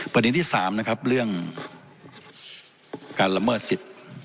ปฏิหญิงที่๓เรื่องการละเมิดศริก